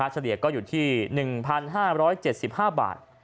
เฉลี่ยก็อยู่ที่๑๕๗๕บาท